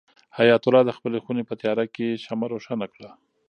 حیات الله د خپلې خونې په تیاره کې شمع روښانه کړه.